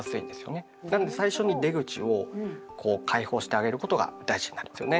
なんで最初に出口をこう開放してあげることが大事になるんですよね。